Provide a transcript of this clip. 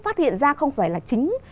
phát hiện ra không phải là chính